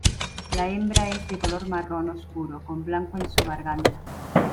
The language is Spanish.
La hembra es de color marrón oscuro con blanco en su garganta.